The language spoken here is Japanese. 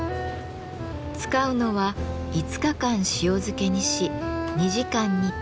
使うのは５日間塩漬けにし２時間煮た豚バラ肉の塊。